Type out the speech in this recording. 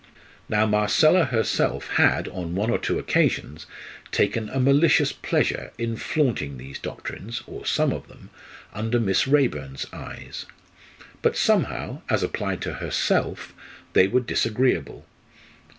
Now Marcella herself had on one or two occasions taken a malicious pleasure in flaunting these doctrines, or some of them, under Miss Raeburn's eyes. But somehow, as applied to herself, they were disagreeable.